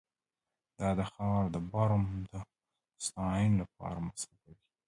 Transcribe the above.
دا د ښار د برم د ستاینې لپاره مصرفوي